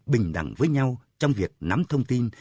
bình đẳng với nhau trong việc nắm thông tin